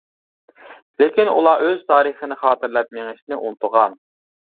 لېكىن ئۇلار ئۆز تارىخىنى خاتىرىلەپ مېڭىشنى ئۇنتۇغان.